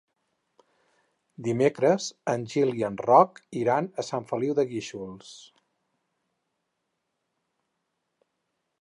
Dimecres en Gil i en Roc iran a Sant Feliu de Guíxols.